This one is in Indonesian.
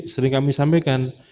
sering kami sampaikan